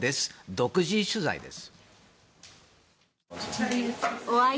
独自取材です。